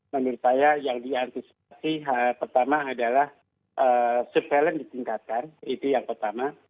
menurut saya yang diantisipasi pertama adalah surveillance ditingkatkan itu yang pertama